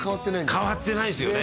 変わってないですよね